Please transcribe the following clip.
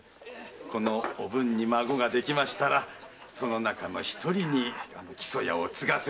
このおぶんに孫ができましたらその中の一人に木曽屋を継がせるつもりでございます。